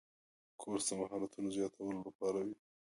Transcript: کورس د مهارتونو زیاتولو لپاره وي.